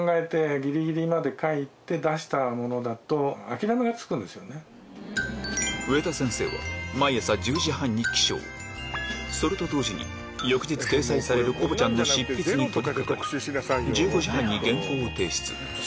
ちなみにコボちゃんのモデルは先生ご自身植田先生は毎朝１０時半に起床それと同時に翌日掲載される『コボちゃん』の執筆に取り掛かり１５時半に原稿を提出